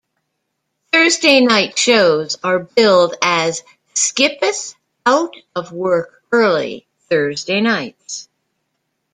Thursday night shows are billed as "Skippeth-Out-Of-Work-Early Thursday Nights".